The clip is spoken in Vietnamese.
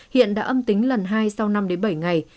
hiện đã âm tính lần hai sau năm bảy ngày